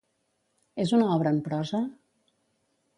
És una obra en prosa?